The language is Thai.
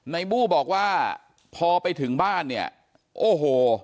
บู้บอกว่าพอไปถึงบ้านเนี่ยโอ้โห